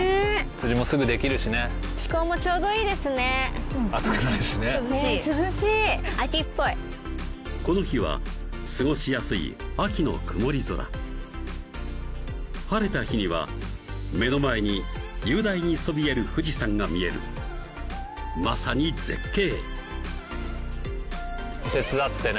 釣りもすぐできるしね気候もちょうどいいですね暑くないしね涼しい秋っぽいこの日は過ごしやすい秋の曇り空晴れた日には目の前に雄大にそびえる富士山が見えるまさに絶景手伝ってね